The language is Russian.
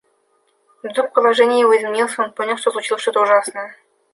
Вдруг положение его изменилось, и он понял, что случилось что-то ужасное.